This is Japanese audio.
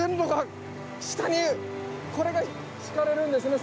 これが敷かれるんですね